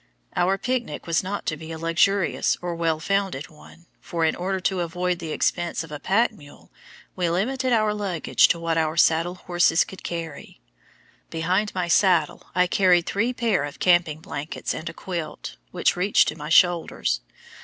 Our picnic was not to be a luxurious or "well found" one, for, in order to avoid the expense of a pack mule, we limited our luggage to what our saddle horses could carry. Behind my saddle I carried three pair of camping blankets and a quilt, which reached to my shoulders.